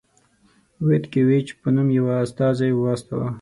ویتکي ویچ په نوم یو استازی واستاوه.